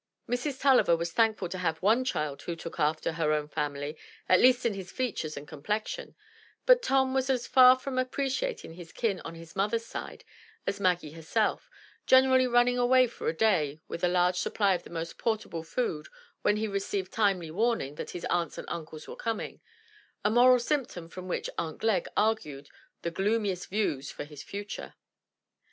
Mrs. Tulliver was thankful to have one child who took after her own family, at least in his features and complexion, but Tom was as far from appreciating his kin on his mother's side as Maggie herself, generally running away for the day with a large supply of the most portable food, when he received timely warning that his aunts and imcles were coming, — a moral symptom from which Aunt Glegg argued the gloomiest views for his future.